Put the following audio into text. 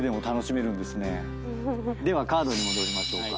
ではカードに戻りましょうか。